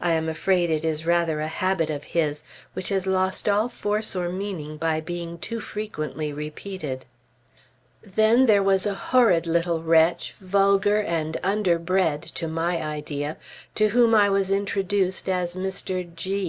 I am afraid it is rather a habit of his, which has lost all force or meaning by being too frequently repeated. Then there was a horrid little wretch, vulgar and underbred (to my idea), to whom I was introduced as Mr. G